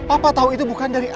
apa tahu itu bukan dari apa